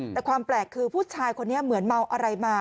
แต่ความแปลกคือผู้ชายคนนี้เหมือนเมาอะไรมา